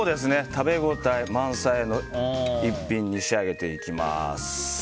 食べ応え満載に仕上げていきます。